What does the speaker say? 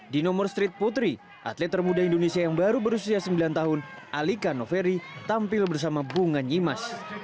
di nomor street putri atlet termuda indonesia yang baru berusia sembilan tahun alika noveri tampil bersama bunga nyimas